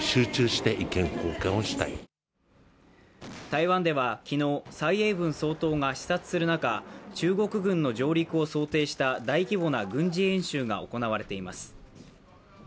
台湾では昨日、蔡英文総統が視察する中、中国軍の上陸を想定した大規模な軍事演習が行われています。